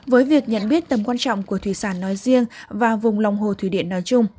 với việc nhận biết tầm quan trọng của thủy sản nói riêng và vùng lòng hồ thủy điện nói chung